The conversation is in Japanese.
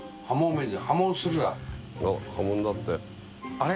あれ？